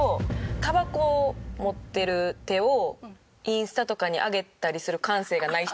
タバコを持ってる手をインスタとかに上げたりする感性がない人。